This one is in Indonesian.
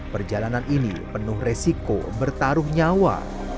perjalanan ini penuh resiko bertaruh nyawa